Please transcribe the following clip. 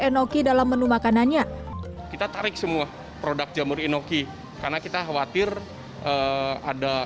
enoki dalam menu makanannya kita tarik semua produk jamur enoki karena kita khawatir ada